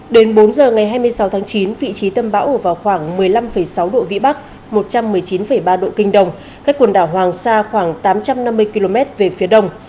đến bốn giờ ngày hai mươi sáu tháng chín vị trí tâm bão ở vào khoảng một mươi năm sáu độ vĩ bắc một trăm một mươi chín ba độ kinh đông cách quần đảo hoàng sa khoảng tám trăm năm mươi km về phía đông